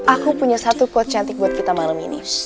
aku punya satu quote cantik buat kita malam ini